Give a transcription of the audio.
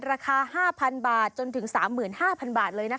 ราคา๕๐๐๐บาทจนถึง๓๕๐๐บาทเลยนะคะ